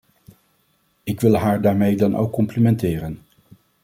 Ik wil haar daarmee dan ook complimenteren.